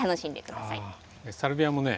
サルビアもね